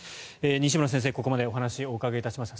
西村先生にここまでお話をお伺いしました。